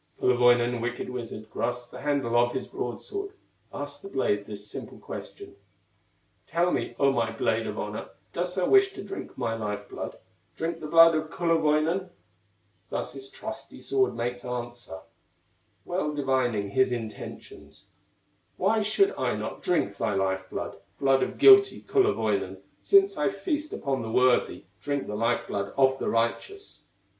Kullerwoinen, wicked wizard, Grasps the handle of his broadsword, Asks the blade this simple question: "Tell me, O my blade of honor, Dost thou wish to drink my life blood, Drink the blood of Kullerwoinen?" Thus his trusty sword makes answer, Well divining his intentions: "Why should I not drink thy life blood, Blood of guilty Kullerwoinen, Since I feast upon the worthy, Drink the life blood of the righteous?"